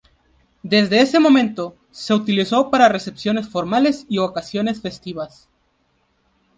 Desde ese momento, se utilizó para recepciones formales y ocasiones festivas.